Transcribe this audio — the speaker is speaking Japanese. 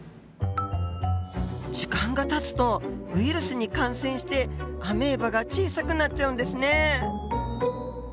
時間がたつとウイルスに感染してアメーバが小さくなっちゃうんですね。